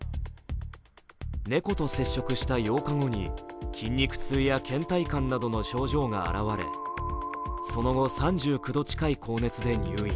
猫と接触した８日後に筋肉痛やけん怠感などの症状が表れその後、３９度近い高熱で入院。